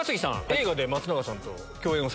映画で松永さんと共演。